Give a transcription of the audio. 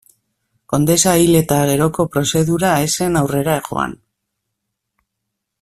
Kondesa hil eta geroko prozedura ez zen aurrera joan.